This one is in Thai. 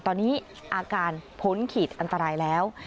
ตอนนี้อาการพ้นขีดอันตรายแล้ว